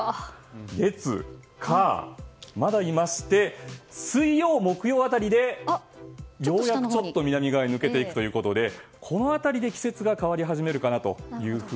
月、火、まだいまして水曜、木曜辺りでようやく南側に抜けていくということでこの辺りで季節が変わり始めるかなと。